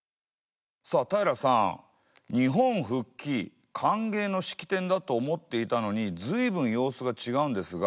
さあ平良さん日本復帰歓迎の式典だと思っていたのに随分様子が違うんですが